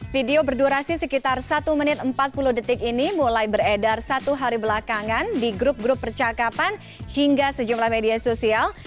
video berdurasi sekitar satu menit empat puluh detik ini mulai beredar satu hari belakangan di grup grup percakapan hingga sejumlah media sosial